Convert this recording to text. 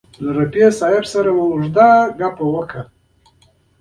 له رفیع صاحب سره مو اوږد بنډار وکړ.